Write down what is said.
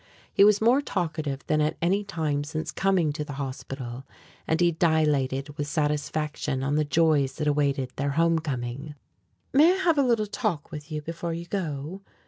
He was more talkative than at any time since coming to the hospital, and he dilated with satisfaction on the joys that awaited their home coming. "May I have a little talk with you before you go?"